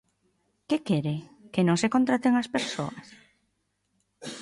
¿Que quere?, ¿que non se contraten as persoas?